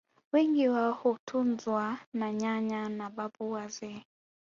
Wengi wao hutunzwa na nyanya na babu wazee